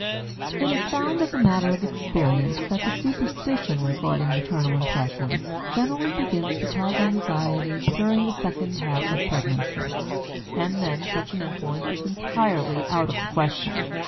It is found, as a matter of experience, that the superstition regarding maternal impressions generally begins to cause anxiety during the second half of pregnancy; and then such an influence is entirely out of the question.